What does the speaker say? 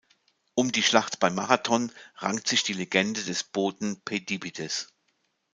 Um die Schlacht bei Marathon rankt sich die Legende des Boten Pheidippides.